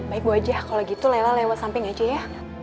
baik bu haji ya kalo gitu rela lewat samping aja ya